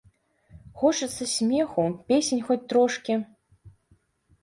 Хочацца смеху, песень хоць трошкі.